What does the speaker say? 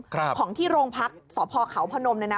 ของที่โรงพักษ์สคพนมนั้นนะ